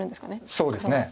そうですね。